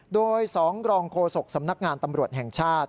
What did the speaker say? โดย๒รองโฆษกสำนักงานตำรวจแห่งชาติ